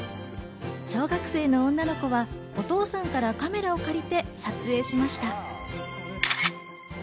小学生の女の子はお父さんからカメラを借りて撮影しました。